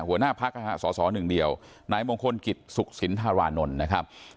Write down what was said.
หัวหน้าภักษ์ศร๑เดียวไหนมองคลกิดสุขศิลทรวณณนะครับ